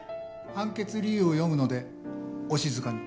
判決理由を読むのでお静かに。